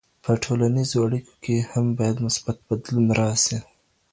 په ټولنیزو اړیکو کي هم باید مثبت بدلون راسي.